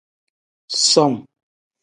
Som.